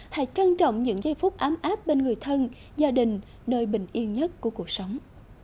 hãy trân trọng những giây phút ấm áp bên người thân gia đình nơi bình yên nhất của cuộc sống